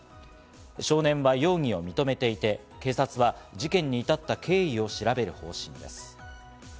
少年は容疑を認めていて、警察は事件に至った経緯を調べる方針です。